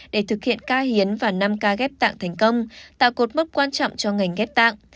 để thực hiện ca hiến và năm ca ghép tạng thành công tạo cột mốc quan trọng cho ngành ghép tạng